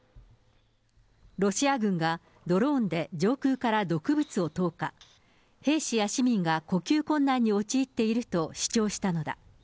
ロシア軍が、ドローンで上空から毒物を投下、兵士や市民が呼吸困難に陥っていると主張したのだ。